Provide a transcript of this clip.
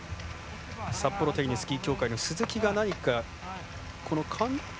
札幌手稲スキー協会の鈴木が何か。